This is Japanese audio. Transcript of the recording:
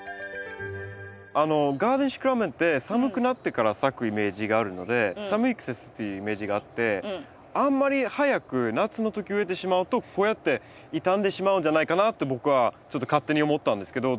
ガーデンシクラメンって寒くなってから咲くイメージがあるので寒い季節っていうイメージがあってあんまり早く夏の時植えてしまうとこうやって傷んでしまうんじゃないかなと僕はちょっと勝手に思ったんですけど。